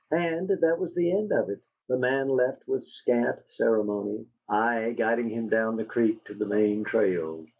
And that was the end of it. The man left with scant ceremony, I guiding him down the creek to the main trail.